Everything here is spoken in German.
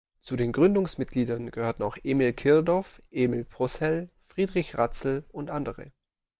Zu den Gründungsmitgliedern gehörten auch Emil Kirdorf, Emil Possehl, Friedrich Ratzel und andere.